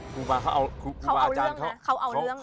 ครูบาอาจารย์เขาเอาเรื่องนะ